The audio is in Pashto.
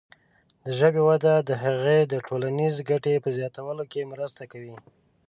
د ژبې وده د هغې د ټولنیزې ګټې په زیاتولو کې مرسته کوي.